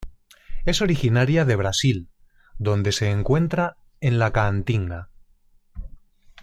Es originaria de Brasil, donde se encuentra en la Caatinga.